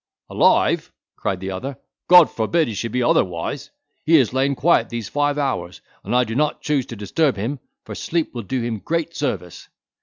"Alive!" cried the other, "God forbid he should be otherwise! he has lain quiet these five hours, and I do not choose to disturb him, for sleep will do him great service."